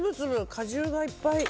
果汁がいっぱい。